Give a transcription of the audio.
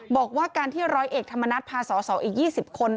บอกว่าการที่ร้อยเอกธรรมนัฐพาสอสออีก๒๐คน